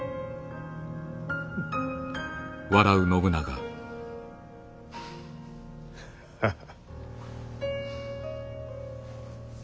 フッハハハ。